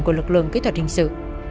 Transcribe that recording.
con chơi đâu hợp ơi